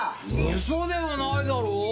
嘘ではないだろ？